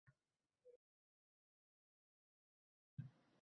Endi jiddiroq gaplarga o’tamiz.